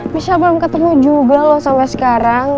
michelle belum ketemu juga loh sampe sekarang